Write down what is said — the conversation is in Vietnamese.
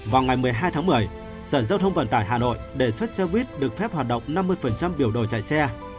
vào ngày một mươi hai tháng một mươi sở giao thông vận tải hà nội đề xuất xe buýt được phép hoạt động năm mươi biểu đồ chạy xe